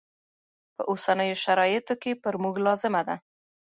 په اوسنیو شرایطو کې پر موږ لازمه ده.